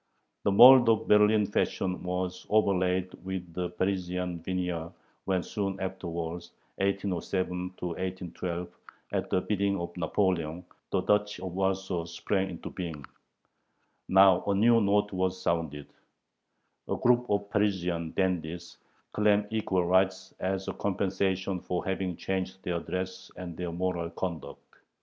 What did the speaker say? The mould of Berlin fashion was overlaid with a Parisian veneer when soon afterwards (1807 1812), at the bidding of Napoleon, the Duchy of Warsaw sprang into being. Now a new note was sounded. A group of Parisian "dandies" claim equal rights as a compensation for having changed their dress and their "moral conduct."